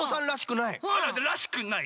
「らしくない」。